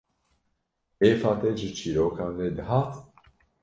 Kêfa te ji çîrokan re dihat?